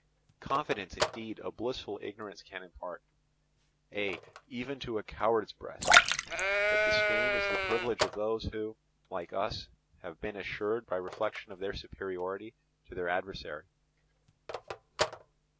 Confidence indeed a blissful ignorance can impart, ay, even to a coward's breast, but disdain is the privilege of those who, like us, have been assured by reflection of their superiority to their adversary.